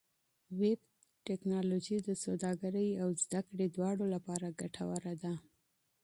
ویب ټکنالوژي د سوداګرۍ او تعلیم دواړو لپاره ګټوره ده.